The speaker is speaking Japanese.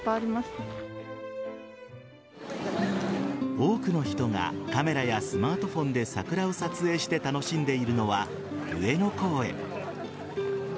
多くの人がカメラやスマートフォンで桜を撮影して楽しんでいるのは上野公園。